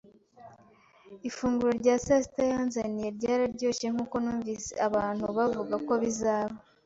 Ifunguro rya sasita yanzaniye ryararyoshye nkuko numvise abantu bavuga ko bizaba.